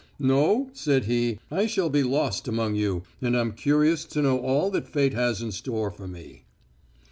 "No," said he, "I shall be lost among you, and I'm curious to know all that fate has in store for me."